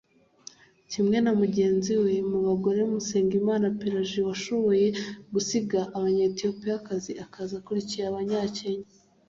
Kimwe na mugenzi we mu bagore Musengimana Pelagie washoboye gusiga Abanyetiyopiyakazi akaza akurikiye abanya Kenya